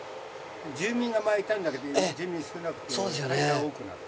住民が前いたんだけど住民少なくて会社が多くなって。